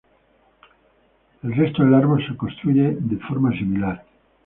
El resto del árbol se construye de forma similar.